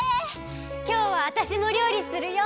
きょうはわたしもりょうりするよ。